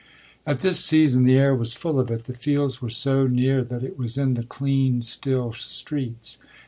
At this season the air was full of it the fields were so near that it was in the clean, still streets.